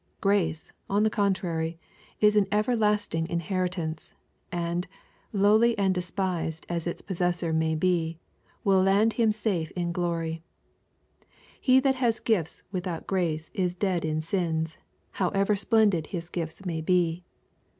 Grace, on the contrary, is an everlasting inheritance, and, lowly and despised as its possessor may be, will land him safe in glory He that has gifts without grace is dead in sins, how LUKE, CHAP. X. 361 ever splendid his gifts may be.